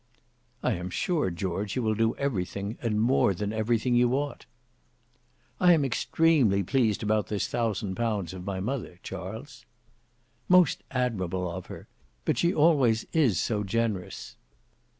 "I am sure, George, you will do everything, and more than everything you ought." "I am extremely pleased about this thousand pounds of my mother, Charles." "Most admirable of her! But she always is so generous!"